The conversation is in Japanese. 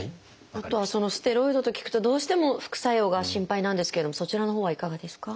あとはステロイドと聞くとどうしても副作用が心配なんですけれどもそちらのほうはいかがですか？